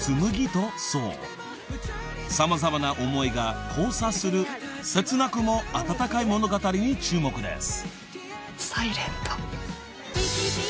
［様々な思いが交差する切なくも温かい物語に注目です］